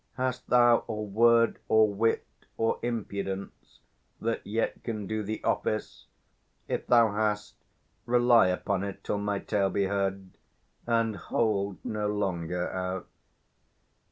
360 Hast thou or word, or wit, or impudence, That yet can do thee office? If thou hast, Rely upon it till my tale be heard, And hold no longer out.